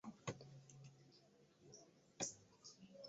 Pia katika baadhi ya madhehebu ya Kikristo, kwa madhumuni ya ibada.